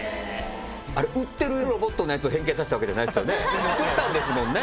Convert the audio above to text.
あれ売ってるロボットのやつを変形させたわけじゃないですよね作ったんですもんね